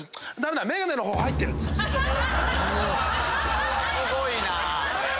それはすごいな！